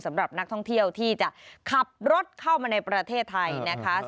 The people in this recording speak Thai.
สำหรับนักท่องเที่ยวที่จะขับรถเข้ามาในประเทศไทยนะคะ